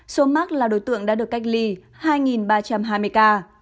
số mắc là đối tượng đã được cách ly hai ba trăm hai mươi ca